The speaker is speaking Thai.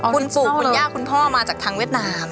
คุณปู่คุณย่าคุณพ่อมาจากทางเวียดนาม